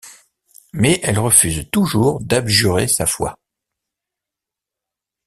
Mais elle refuse toujours d'abjurer sa foi.